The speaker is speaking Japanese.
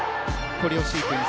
コレオシークエンス。